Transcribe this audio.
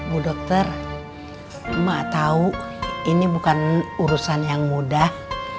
bu dokter mak tau ini bukan urusan yang mudah